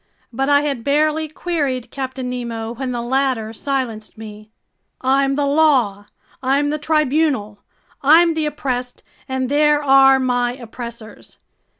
But I had barely queried Captain Nemo when the latter silenced me: "I'm the law, I'm the tribunal! I'm the oppressed, and there are my oppressors!